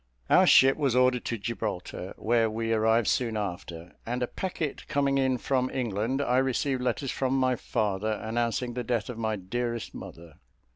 Our ship was ordered to Gibraltar, where we arrived soon after; and a packet coming in from England, I received letters from my father, announcing the death of my dearest mother.